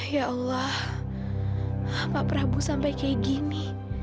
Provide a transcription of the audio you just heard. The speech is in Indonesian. ya allah pak prabu sampai kayak gini